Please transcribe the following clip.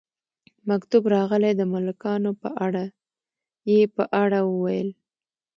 مکتوب راغلی د ملکانو په اړه، یې په اړه وویل.